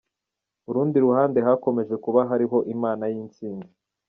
Urundi ruhande hakomeje kuba hariho imana y’intsinzi.